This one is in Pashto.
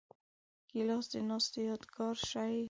ګیلاس د ناستې یادګار شي.